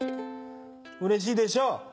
うれしいでしょ。